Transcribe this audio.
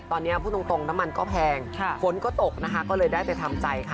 ตอนนี้พูดตรงน้ำมันก็แพงฝนก็ตกนะคะก็เลยได้ไปทำใจค่ะ